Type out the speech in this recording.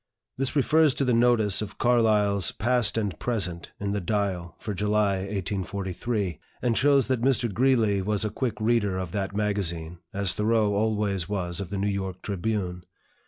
This refers to the notice of Carlyle's "Past and Present," in the "Dial" for July, 1843, and shows that Mr. Greeley was a quick reader of that magazine, as Thoreau always was of the "New York Tribune."